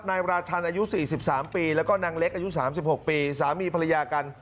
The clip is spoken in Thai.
นายราชันอายุสิบสามปีแล้วก็นางเล็กอายุสามสิบหกปีสามีภรรยากัน